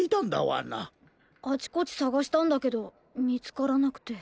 あちこちさがしたんだけどみつからなくて。